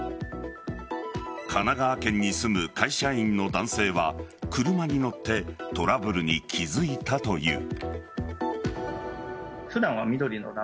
神奈川県に住む会社員の男性は車に乗ってトラブルに気付いたという。